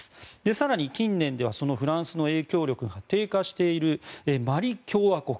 更に近年では、そのフランスの影響力が低下しているマリ共和国。